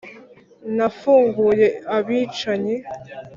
Nafunguye abicanyi